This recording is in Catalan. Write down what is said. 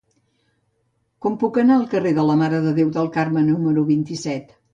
Com puc anar al carrer de la Mare de Déu del Carmel número vint-i-set?